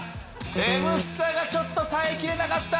エムスタがちょっと耐えきれなかった。